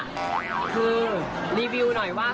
สุดท้ายสุดท้าย